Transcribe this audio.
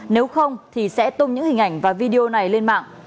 nếu không thì sẽ tung những hình ảnh và video này lên mạng